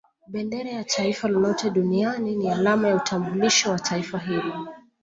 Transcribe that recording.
Bendera ya Taifa lolote Duniani ni alama ya utambulisho wa Taifa hilo